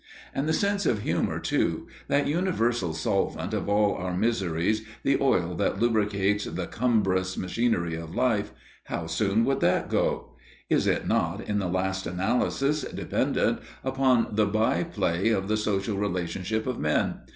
And the sense of humour, too that universal solvent of all our miseries, the oil that lubricates the cumbrous machinery of life how soon would that go? Is it not, in the last analysis, dependent upon the by play of the social relationship of men?